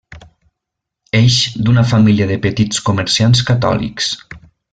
Eix d'una família de petits comerciants catòlics.